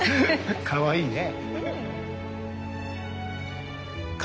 かわいいね。